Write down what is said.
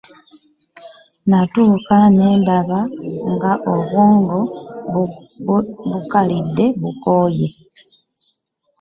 Natuuka nendaba nga obwongo bukalidde nga bukooye .